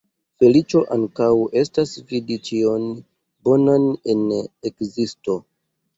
Feliĉo ankaŭ estas vidi ĉion bonan en ekzisto.